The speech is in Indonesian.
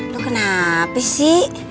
lo kenapa sih